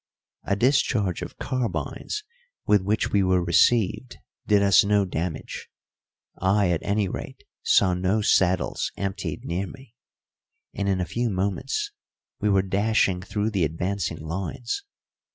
A discharge of carbines with which we were received did us no damage. I, at any rate, saw no saddles emptied near me, and in a few moments we were dashing through the advancing lines.